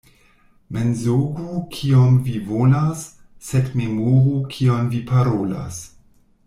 Mensogu kiom vi volas, sed memoru kion vi parolas.